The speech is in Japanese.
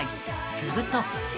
［すると］